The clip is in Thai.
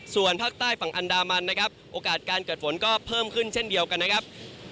ส่วนภาคใต้ฝั่งอันดามันนะครับโอกาสการเกิดฝนก็เพิ่มขึ้นเช่นเดียวกันนะครับ